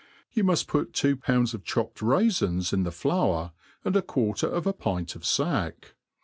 You muft put two pounds of chopped laifins in the flour, and a quarter of a pint of fack.